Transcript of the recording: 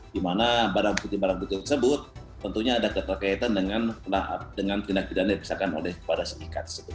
dimana barang bukti barang bukti tersebut tentunya ada keterkaitan dengan tindak pidana yang dipersyakakan oleh pada seikat tersebut